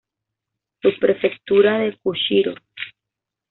Subprefectura de Kushiro